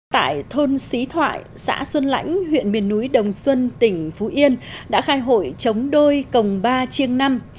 tại thôn xí thoại xã xuân lãnh huyện miền núi đồng xuân tỉnh phú yên đã khai hội chống đôi cồng ba chiêng năm